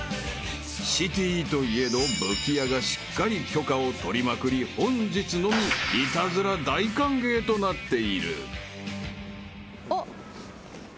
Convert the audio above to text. ［シティーといえど武器屋がしっかり許可を取りまくり本日のみイタズラ大歓迎となっている］